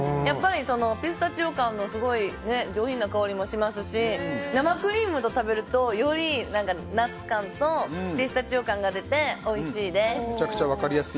ピスタチオ感のすごい上品な香りもしますし生クリームと食べるとよりナッツ感とピスタチオ感が出ておいしいです！